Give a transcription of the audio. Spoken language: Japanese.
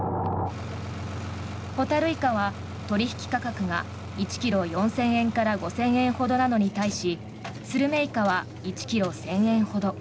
ホタルイカは取引価格が１ｋｇ４０００円から５０００円ほどなのに対しスルメイカは１ｋｇ１０００円ほど。